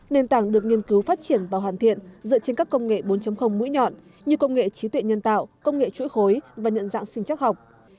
nền tảng được nghiên cứu phát triển và hoàn thiện dựa trên các công nghệ bốn mũi nhọn như công nghệ trí tuệ nhân tạo công nghệ chuỗi khối và nhận dạng sinh chắc học